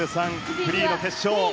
フリーの決勝。